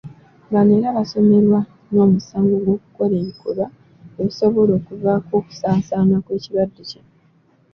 Bano era basoomerwa n'omusango gw'okukola ebikolwa ebisobola okuvaako okusaasaana kw'ekirwadde kino.